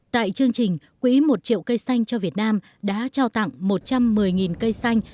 tại chương trình quỹ một triệu cây xanh cho việt nam đã trao tặng một trăm một mươi cây xanh